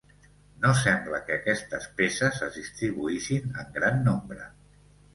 No sembla que aquestes peces es distribuïssin en gran nombre.